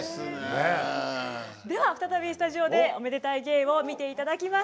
では再びスタジオでおめでたい芸を見ていただきます。